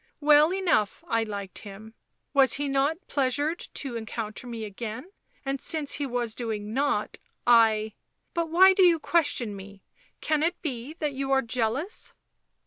" Well enough I liked him. Was he not pleasured to encounter me again, and since he was doing nought — I — but why do you question me ? Can it be that you are jealous?"